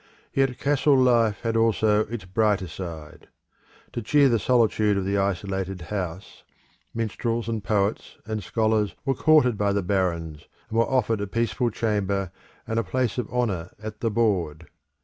Yet castle life had also its brighter side. To cheer the solitude of the isolated house minstrels and poets and scholars were courted by the barons, and were offered a peaceful chamber and a place of honour at the board.